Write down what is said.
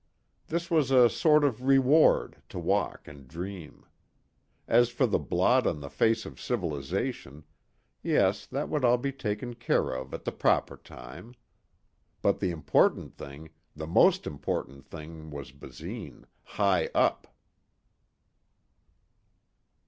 This was a sort of reward, to walk and dream. As for the blot on the face of civilization, yes that would all be taken care of at the proper time. But the important thing, the most important thing was Basine high up.